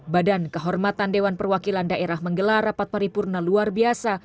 badan kehormatan dewan perwakilan daerah menggelar rapat paripurna luar biasa